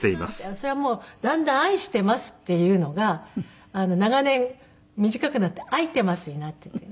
それはもうだんだん「愛してます」っていうのが長年短くなって「愛てます」になってて。